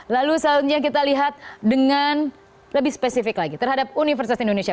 lalu selanjutnya kita lihat dengan lebih spesifik lagi terhadap universitas indonesia